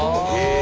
え！